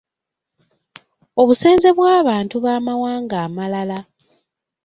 Obusenze bw’abantu b’amawanga amalala